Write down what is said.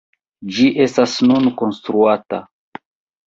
Ĝi estas nun konstruata.